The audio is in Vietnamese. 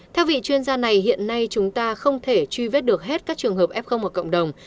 theo vị chuyên gia này hiện nay chúng ta không thể truy vết được hết các trường hợp f ở cộng đồng